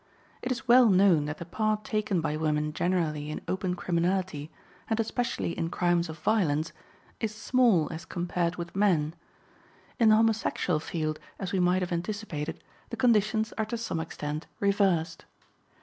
It is well know that the part taken by women generally in open criminality, and especially in crimes of violence, is small as compared with men. In the homosexual field, as we might have anticipated, the conditions are to some extent reversed.